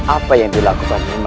apa yang dilakukannya